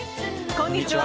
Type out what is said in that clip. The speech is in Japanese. こんにちは。